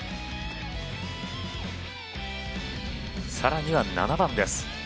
さらには７番です。